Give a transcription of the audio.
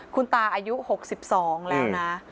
คุณตาอายุ๖๒แล้วนะ